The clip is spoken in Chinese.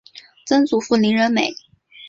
曾祖父林仁美。